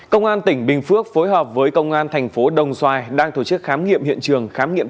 công an tỉnh bình phước phối hợp với công an thành phố đồng xoài đang thổ chức khám nghiệm